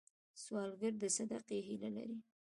سوالګر د صدقې هیله لري